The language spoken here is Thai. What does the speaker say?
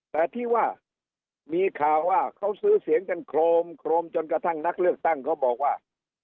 แต่ที่ว่ามีข่าวว่าเขาซื้อเสียงกันโครมโครมจนกระทั่งนักเลือกตั้งเขาบอกว่า